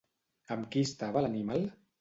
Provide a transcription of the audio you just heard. Amb qui estava l'animal?